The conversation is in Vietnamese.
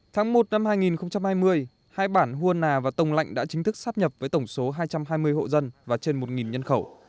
tháng một năm hai nghìn hai mươi hai bản hua nà và tông lạnh đã chính thức sáp nhập với tổng số hai trăm hai mươi hộ dân và trên một nhân khẩu